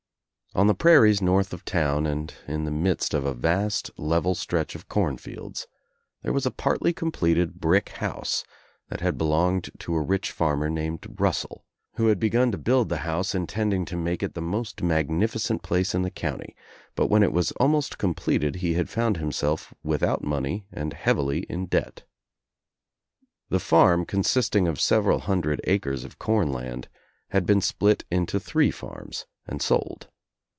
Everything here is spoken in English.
On the prairies north of town and in the midst of a vast level stretch of cornfields, there was a partly completed brick house that had belonged to a rich farmer named Russell who had begun to build the house intending to make it the most magnificent place in the county, but when it was almost completed he had found himself without money and heavily in debt. The farm, consisting of several hundred acres of corn land, had been split into three farms and sold.